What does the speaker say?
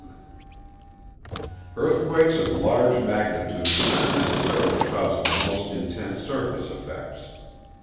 ] Earthquakes of large magnitude do not necessarily cause the most intense surface effects.